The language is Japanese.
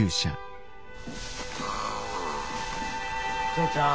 嬢ちゃん。